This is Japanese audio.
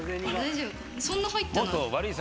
そんな入ってない。